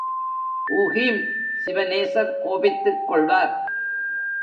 ஊஹீம், சிவநேசர் கோபித்துக் கொள்வார்!